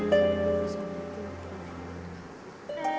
kita harus mencari penyelesaian yang bisa diperoleh